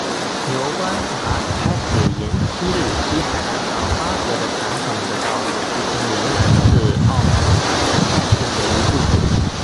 由关闸开始沿昔日西海岸到妈阁的传统道路至今仍然是澳门环城干线的一部分。